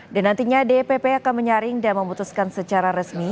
dan nantinya dpp akan menyaring dan memutuskan secara resmi